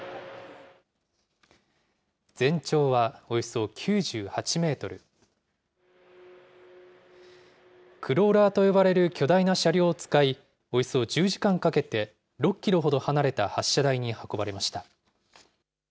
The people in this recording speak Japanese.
全長はおよそ９８メートル、クローラーと呼ばれる巨大な車両を使い、およそ１０時間かけて６キロほど離れた発射台に運ばれました。